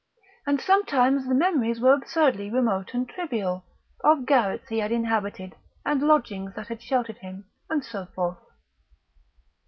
And sometimes the memories were absurdly remote and trivial, of garrets he had inhabited and lodgings that had sheltered him, and so forth.